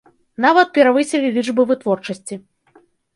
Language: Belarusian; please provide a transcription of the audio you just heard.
Нават перавысілі лічбы вытворчасці.